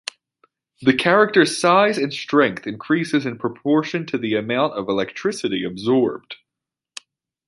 The character's size and strength increases in proportion to the amount of electricity absorbed.